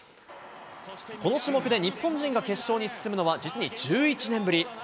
この種目で日本人が決勝に進むのは、実に１１年ぶり。